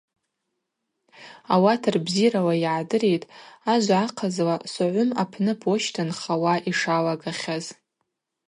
Ауат рбзирала йыгӏдыритӏ, ажва ахъазла, Согъвым апны почта нхауа йшалагахьаз.